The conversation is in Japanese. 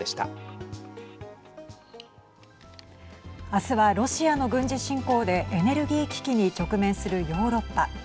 明日はロシアの軍事侵攻でエネルギー危機に直面するヨーロッパ。